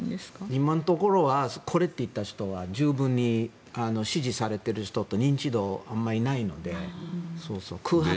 今のところはこれといった人は十分に支持されている人認知度があまりないので空白。